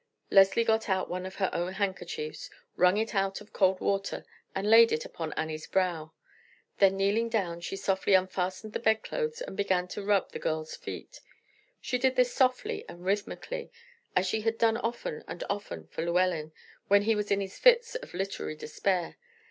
Leslie got out one of her own handkerchiefs, wrung it out of cold water, and laid it upon Annie's brow. Then kneeling down, she softly unfastened the bedclothes, and began to rub the girl's feet. She did this softly and rhythmically, as she had done often and often for Llewellyn when he was in his fits of literary despair.